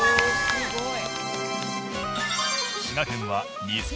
すごい。